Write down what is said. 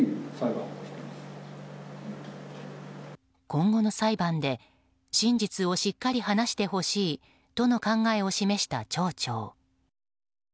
今後の裁判で真実をしっかり話してほしいとの考えを示した町長。